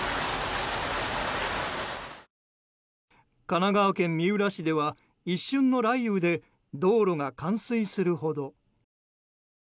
神奈川県三浦市では一瞬の雷雨で道路が冠水するほど。